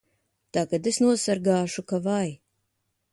Tagad es nosargāšu ka vai!